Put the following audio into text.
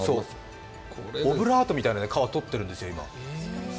オブラートみたいな皮を取ってるんですよ、今。